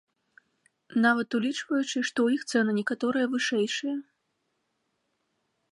Нават улічваючы, што ў іх цэны некаторыя вышэйшыя.